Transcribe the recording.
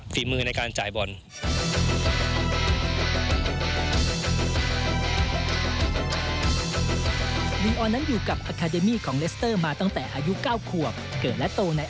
ฝีมือในการจ่ายบอล